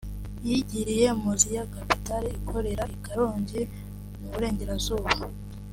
yigiriye mu z’iya Capital ikorera i Karongi mu Burengerazuba